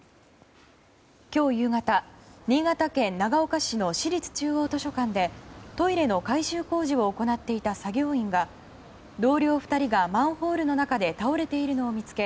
今日夕方、新潟県長岡市の市立中央図書館でトイレの改修工事を行っていた作業員が同僚２人がマンホールの中で倒れているのを見つけ